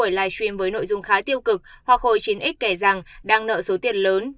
trong một buổi live stream với nội dung khá tiêu cực hoa khôi chín ít kể rằng đang nợ số tiền lớn